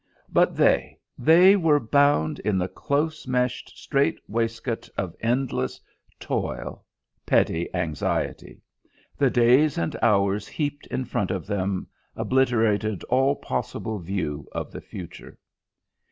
But they they were bound in the close meshed strait waistcoat of endless toil, petty anxiety. The days and hours heaped in front of them obliterated all possible view of the future.